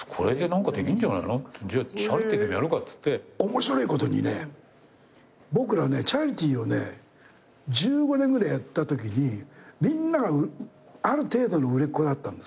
面白いことにね僕らチャリティーをね１５年ぐらいやったときにみんながある程度の売れっ子だったんですよ。